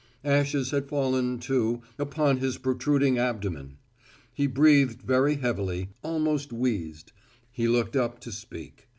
Ashes had fallen, too, upon his protruding abdomen. He breathed very heavily, almost wheezed. He looked up to speak.